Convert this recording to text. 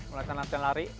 mulai latihan lari